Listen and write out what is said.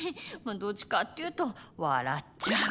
どっちかっていうと笑っちゃう。